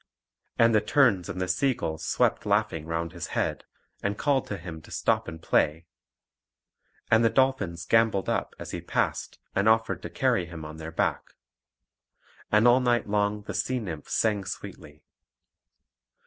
And the terns and the sea gulls swept laughing round his head, and called to him to stop and play, and the dolphins gambolled up as he passed, and offered to carry him on their back. And all night long the sea nymphs sang sweetly.